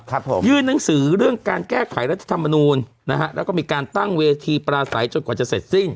ครับผมยื่นหนังสือเรื่องการแก้ไขรัฐธรรมนูลนะฮะแล้วก็มีการตั้งเวทีปราศัยจนกว่าจะเสร็จสิ้น